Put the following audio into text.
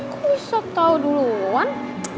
kok bisa tahu duluan